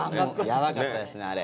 ヤバかったですねあれ。